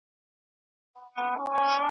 په نارو یو له دنیا له ګاونډیانو ,